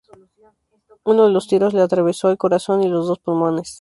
Uno de los tiros le atravesó el corazón y los dos pulmones.